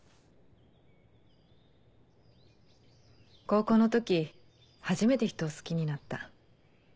高校の時初めて人を好きになった。